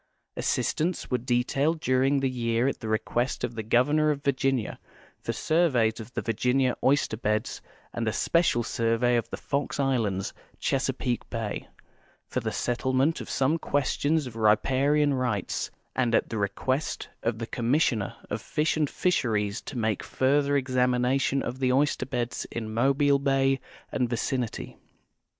Assistants were detailed during the j^ear at the i equest of the Governor of Virginia for surveys of the Virginia oyster beds, and a special survey of the Fox islands, Chesapeake bay, for the settlement of some questions of riparian rights, and at the request of the Commissioner of Fish and Fisheries to make further examination of the oyster beds in Mobile bay and vicinity.